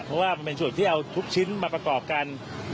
เพราะว่ามันเป็นส่วนที่เอาทุกชิ้นมาประกอบกัน